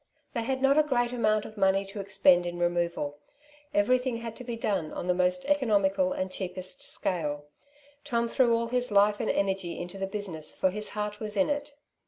They had not a great amount of money to expend in removal; everything had to be done on the most economical and cheapest scale. Tom threw all his life and energy into the business, for his heart was in it.